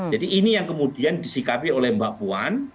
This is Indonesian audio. jadi ini yang kemudian disikapi oleh mbak puan